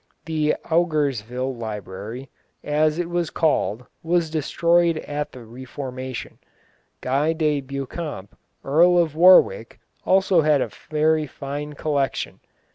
The Aungervyle Library, as it was called, was destroyed at the Reformation. Guy de Beauchamp, Earl of Warwick, also had a very fine collection.